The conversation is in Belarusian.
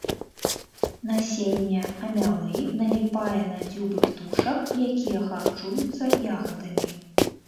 Насенне амялы наліпае на дзюбы птушак, якія харчуюцца ягадамі.